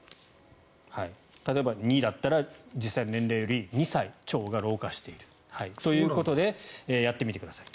例えば２だったら実際の年齢より２歳腸が老化しているということでやってみてください。